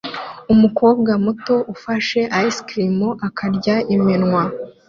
Umukobwa muto ufashe ice cream akarya iminwa